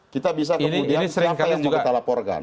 kita bisa kemudian siapa yang mau kita laporkan